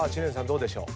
どうでしょう？